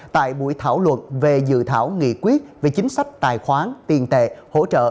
tại buổi thảo luận về dự thảo nghị quyết về chính sách tài khoản tiền tệ hỗ trợ